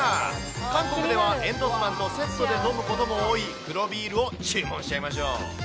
韓国では煙突パンとセットで飲むことも多い黒ビールを注文しちゃいましょう。